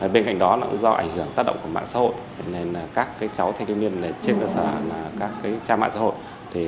bên cạnh đó do ảnh hưởng tác động của mạng xã hội các cháu thanh niên trên cơ sở các cha mạng xã hội